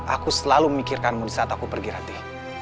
aku selalu memikirkanmu saat aku pergi rati